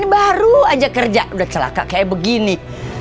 baru aja kerja udah celaka kayak begini